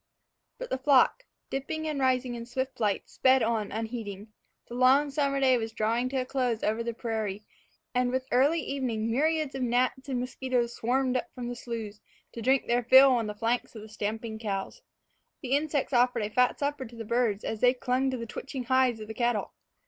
But the flock, dipping and rising in swift flight, sped on unheeding. The long summer day was drawing to a close over the prairie, and with early evening myriads of gnats and mosquitos swarmed up from the sloughs to drink their fill on the flanks of the stamping cows. The insects offered a fat supper to the birds as they clung to the twitching hides of the cattle.